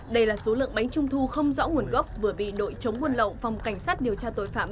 đây là số lượng bánh trung thu không rõ nguồn gốc vừa bị đội chống buôn lậu phòng cảnh sát điều tra tội phạm